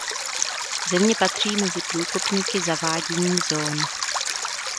Země patří mezi průkopníky zavádění zón.